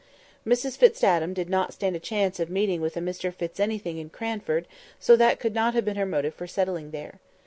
Mrs Fitz Adam did not stand a chance of meeting with a Mr Fitz anything in Cranford, so that could not have been her motive for settling there.